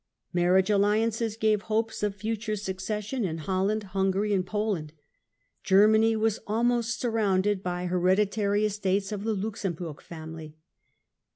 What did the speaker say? Marriage alliances gave hopes of future succession in Holland, Hungary and Poland. Germany was almost surrounded by here ditary estates of the Luxemburg family.